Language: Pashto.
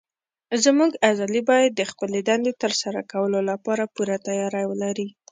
زموږ عضلې باید د خپلې دندې تر سره کولو لپاره پوره تیاری ولري.